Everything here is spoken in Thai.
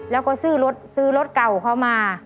แล้วก็ซื้อรถซื้อรถเก่าเขามา